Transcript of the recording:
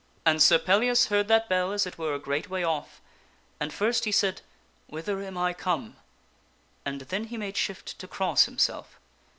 And Sir Pellias heard that bell as it were a great way off, and first he said, "Whither am I come?" and then he made shift to cross himself.